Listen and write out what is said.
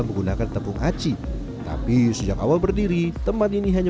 menggunakan tepung sagu yang baik baik saja tapi kalau ada yang menggunakan tepung sagu ini